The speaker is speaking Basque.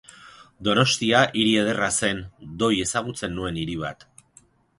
Donostia hiri ederra zen, doi ezagutzen nuen hiri bat.